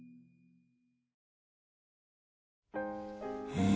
うん。